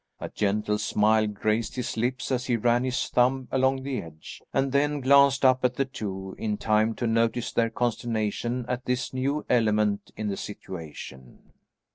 A gentle smile graced his lips as he ran his thumb along the edge, and then glanced up at the two in time to notice their consternation at this new element in the situation.